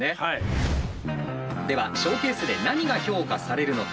ではショーケースで何が評価されるのか。